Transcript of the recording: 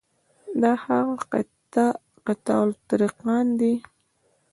دا هغه قطاع الطریقان دي.